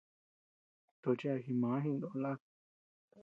Tochi a jimàà jiknó laka.